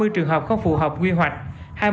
ba mươi trường hợp không phù hợp quy hoạch